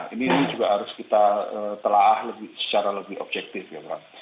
ini juga harus kita telah secara lebih objektif ya pak